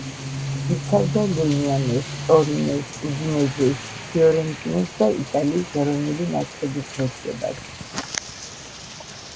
იცავდა „ლენიანოს“, „ტორინოს“, „უდინეზეს“, „ფიორენტინას“ და იტალიის ეროვნული ნაკრების ღირსებას.